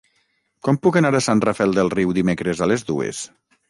Com puc anar a Sant Rafel del Riu dimecres a les dues?